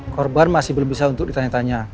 korban masih belum bisa untuk ditanya tanya